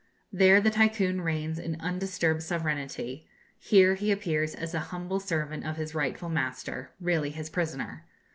There, the Tycoon reigns in undisturbed sovereignty. Here, he appears as a humble servant of his rightful master really his prisoner.